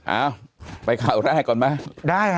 อ้าวไปข่าวแรกก่อนไหม